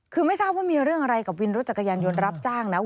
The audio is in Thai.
คือไม่ทราบว่ามีเรื่องอะไรกับวินรถจักรยานยนต์รับจ้างนะ